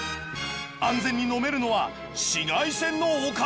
安全に飲めるのは紫外線のおかげだった！？